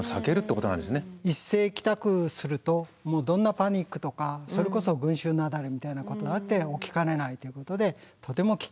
一斉帰宅するともうどんなパニックとかそれこそ群集雪崩みたいなことだって起きかねないということでとても危険です。